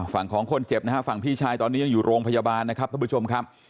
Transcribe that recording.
ฝั่งของคนเจ็บนะฮะฝั่งพี่ชายตอนนี้ยังอยู่โรงพยาบาลนะครับท่านผู้ชมครับ